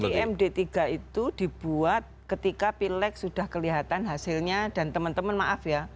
jadi md tiga itu dibuat ketika pilek sudah kelihatan hasilnya dan teman teman maaf ya